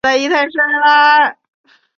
官至左副都御史巡抚江西。